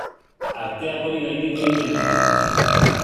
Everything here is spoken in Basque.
Arteak hori gainditu egiten du.